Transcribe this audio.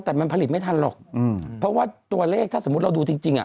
แต่มันผลิตไม่ทันหรอกอืมเพราะว่าตัวเลขถ้าสมมุติเราดูจริงจริงอ่ะ